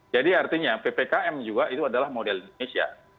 jadi artinya ppkm juga itu adalah model indonesia